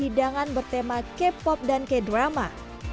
hidangan bertema k pop dan k drama